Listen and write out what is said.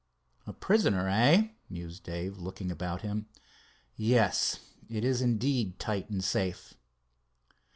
"A prisoner, eh?" mused Dave, looking about him. "Yes, it is, indeed, tight and safe."